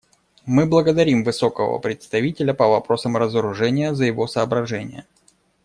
Мы благодарим Высокого представителя по вопросам разоружения за его соображения.